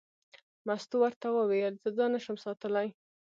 مستو ورته وویل: زه ځان نه شم ساتلی.